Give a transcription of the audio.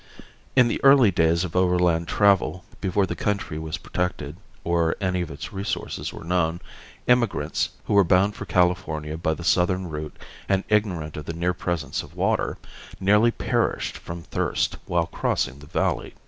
In the early days of overland travel before the country was protected or any of its resources were known, immigrants, who were bound for California by the Southern route and ignorant of the near presence of water, nearly perished from thirst while crossing the valley.